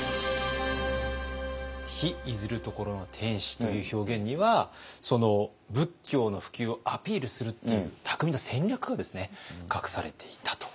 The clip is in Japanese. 「日出ずる処の天子」という表現には仏教の普及をアピールするっていう巧みな戦略が隠されていたと。